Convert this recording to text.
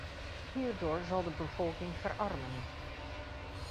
Hierdoor zal de bevolking verarmen.